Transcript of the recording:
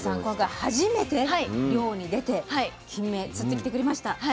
今回初めて漁に出てキンメ釣ってきてくれました。